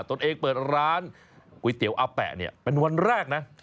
ตัวเองเปิดร้านก๋วยเตี๋ยวอาแปะเนี่ยเป็นวันแรกนะ